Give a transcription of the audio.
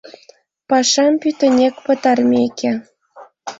Пашам пӱтынек пытармеке